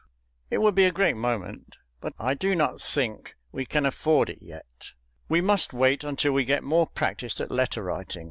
It would be a great moment, but I do not think we can afford it yet; we must wait until we get more practised at letter writing.